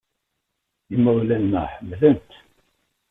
Imawlan-nneɣ ḥemmlen-t.